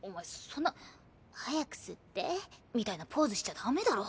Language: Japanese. そんな「早く吸って」みたいなポーズしちゃ駄目だろ。